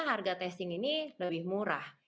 harga testing ini lebih murah